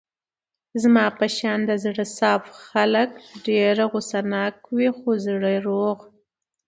زما په شان د زړه صاف خلګ ډېر غوسه ناکه وي خو زړه روغ.